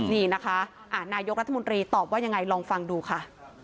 นี่นะคะนายกรัฐมนตรีตอบว่ายังไงลองฟังดูค่ะ